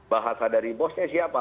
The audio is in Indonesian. bahasa dari bosnya siapa